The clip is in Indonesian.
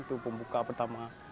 itu pembuka pertama